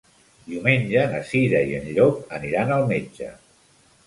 Diumenge na Cira i en Llop aniran al metge.